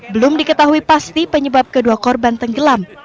belum diketahui pasti penyebab kedua korban tenggelam